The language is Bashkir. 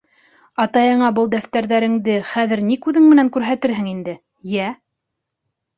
Атайыңа был дәфтәрҙәреңде хәҙер ни күҙең менән күрһәтерһең инде, йә?!